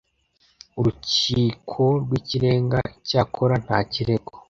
Urukiko rw ikirenga icyakora nta kirego